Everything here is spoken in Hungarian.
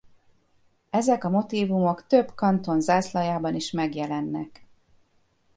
Ezek a motívumok több kanton zászlajában is megjelennek.